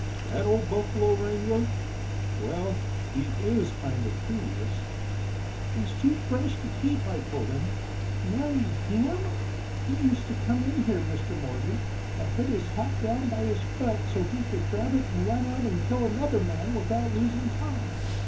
"That old buffalo wrangler? Well, he is kind of previous!" "He's too fresh to keep, I told him. Marry him! He used to come in here, Mr. Morgan, and put his hat down by his foot so he could grab it and run out and kill another man without losin' time.